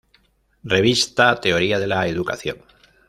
Revista Teoría de la Educación.